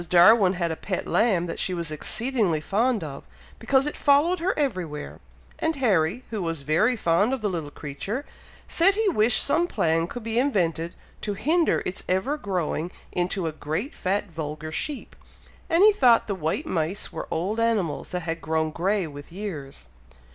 Darwin had a pet lamb that she was exceedingly fond of, because it followed her everywhere, and Harry, who was very fond of the little creature, said he wished some plan could be invented to hinder its ever growing into a great fat vulgar sheep; and he thought the white mice were old animals that had grown grey with years.